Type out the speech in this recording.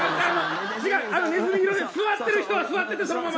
ねずみ色で座ってる人はそのまま。